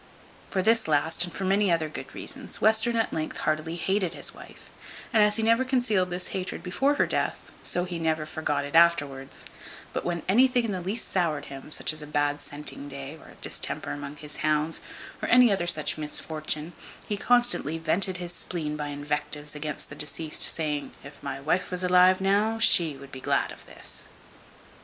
For this last, and many other good reasons, Western at length heartily hated his wife; and as he never concealed this hatred before her death, so he never forgot it afterwards; but when anything in the least soured him, as a bad scenting day, or a distemper among his hounds, or any other such misfortune, he constantly vented his spleen by invectives against the deceased, saying, "If my wife was alive now, she would be glad of this."